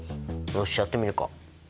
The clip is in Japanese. よしやってみるか。